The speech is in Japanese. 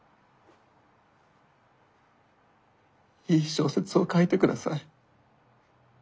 いい小説を書いて下さい。